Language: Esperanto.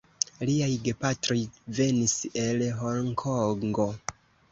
Liaj gepatroj venis el Honkongo.